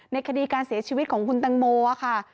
ในคดีการเสียชีวิตของคุณตังโมนิดนาคาร์